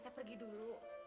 teh pergi dulu